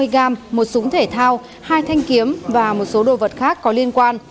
hai gam một súng thể thao hai thanh kiếm và một số đồ vật khác có liên quan